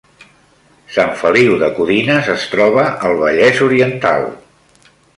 Sant Feliu de Codines es troba al Vallès Oriental